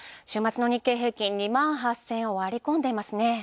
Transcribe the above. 週末の日経平均株価、２万８０００円をわりこんでいますね。